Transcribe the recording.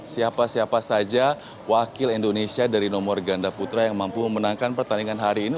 siapa siapa saja wakil indonesia dari nomor ganda putra yang mampu memenangkan pertandingan hari ini